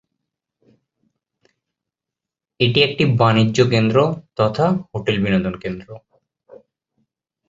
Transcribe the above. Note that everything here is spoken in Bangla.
এটি একটি বাণিজ্যকেন্দ্র তথা হোটেল-বিনোদন কেন্দ্র।